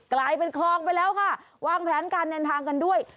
กลายเป็นคลองไปแล้วค่ะวางแผนการเดินทางกันด้วย